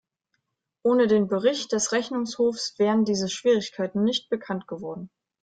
Ohne den Bericht des Rechnungshofs wären diese Schwierigkeiten nicht bekannt geworden.